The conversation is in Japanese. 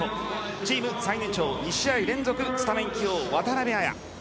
チーム最年長２試合連続スタメン起用渡邊彩。